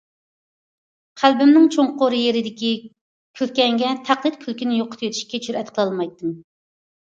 قەلبىمنىڭ چوڭقۇر يېرىدىكى كۈلكەڭگە تەقلىد كۈلكىنى يوقىتىۋېتىشكە جۈرئەت قىلالمايتتىم.